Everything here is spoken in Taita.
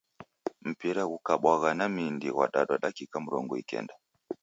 Mpira ghukabwagha na mindi ghwadwa dakika mrongo ikenda.